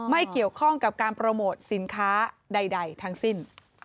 ไม่เกี่ยวข้องกับการโปรโมทสินค้าใดทั้งสิ้น